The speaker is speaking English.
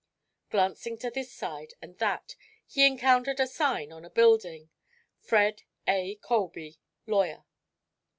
Glancing to this side and that, he encountered a sign on a building: "Fred A. Colby, Lawyer."